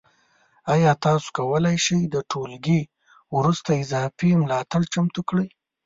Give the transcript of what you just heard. ایا تاسو کولی شئ د ټولګي وروسته اضافي ملاتړ چمتو کړئ؟